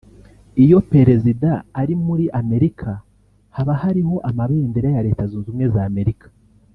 iyo Perezida ari muri Amerika haba hariho amabendera ya Leta Zunze Ubumwe za Amerika